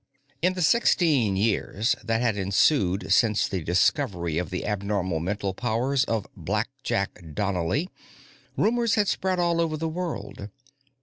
In the sixteen years that had ensued since the discovery of the abnormal mental powers of "Blackjack" Donnely, rumors had spread all over the world.